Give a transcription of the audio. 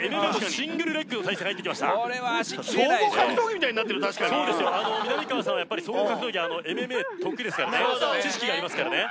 シングルレッグの体勢に入ってきました総合格闘技みたいになってる確かにみなみかわさんはやっぱり総合格闘技ＭＭＡ得意ですからね知識がありますからね